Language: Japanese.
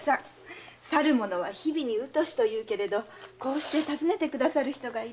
「去る者は日々に疎し」というけれどこうして訪ねてくださる人がいる。